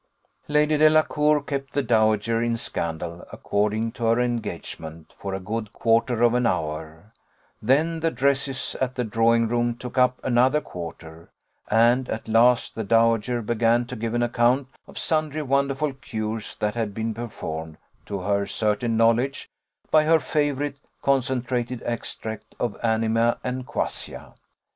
Lady Delacour kept the dowager in scandal, according to her engagement, for a good quarter of an hour; then the dresses at the drawing room took up another quarter; and, at last, the dowager began to give an account of sundry wonderful cures that had been performed, to her certain knowledge, by her favourite concentrated extract or anima of quassia.